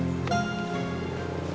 kamu harus berhati hati